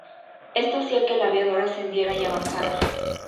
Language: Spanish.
Esto hacía que el aviador ascendiera y avanzara.